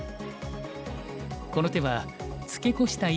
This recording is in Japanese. この手はツケコした